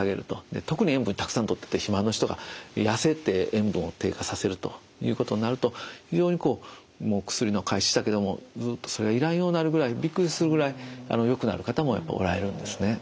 特に塩分たくさんとってて肥満の人が痩せて塩分を低下させるということになると薬を開始したけれどもそれが要らんようになるぐらいびっくりするぐらいよくなる方もやっぱりおられるんですね。